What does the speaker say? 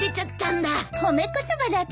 褒め言葉だったのね。